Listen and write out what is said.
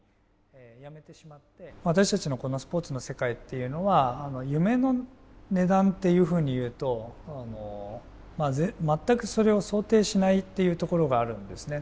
私たちのこのスポーツの世界っていうのは夢の値段っていうふうに言うと全く、それを想定しないっていうところがあるんですね。